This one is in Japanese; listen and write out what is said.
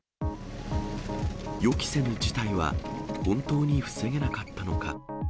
予期せぬ事態は本当に防げなかったのか。